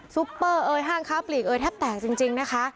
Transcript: ซุปเปอร์เอ้ยห้างค้าปลีกเอยแทบแตกจริงนะคะ